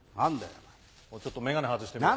ちょっと眼鏡外してみろ。